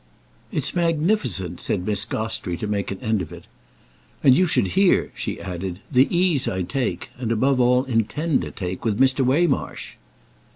"It's magnificent!" said Miss Gostrey to make an end of it. "And you should hear," she added, "the ease I take—and I above all intend to take—with Mr. Waymarsh."